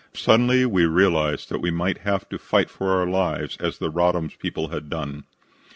Suddenly we realized that we might have to fight for our lives as the Roddam's people had done.